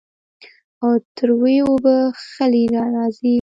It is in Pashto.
او تروې اوبۀ خلې له راځي